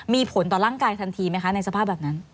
มีผลต่อร่างกายทันทีไหมคะในสภาพแบบนั้น